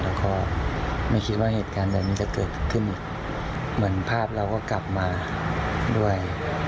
แล้วก็ไม่คิดว่าเหตุการณ์แบบนี้จะเกิดขึ้นอีกเหมือนภาพเราก็กลับมาด้วย